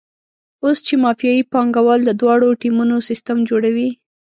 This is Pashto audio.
اوس چې مافیایي پانګوال د دواړو ټیمونو سیستم جوړوي.